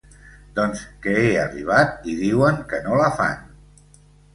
Doncs que he arribat i diuen que no la fan.